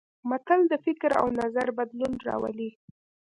متل د فکر او نظر بدلون راولي